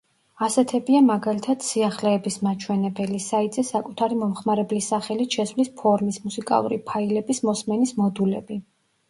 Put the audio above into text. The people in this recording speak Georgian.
ასეთებია, მაგალითად, სიახლეების მაჩვენებელი, საიტზე საკუთარი მომხმარებლის სახელით შესვლის ფორმის, მუსიკალური ფაილების მოსმენის მოდულები.